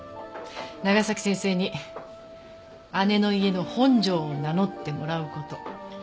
長崎先生に姉の家の「本庄」を名乗ってもらう事。